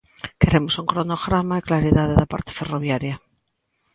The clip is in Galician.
Queremos un cronograma e claridade da parte ferroviaria.